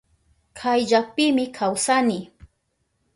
Kayllapimi kawsani.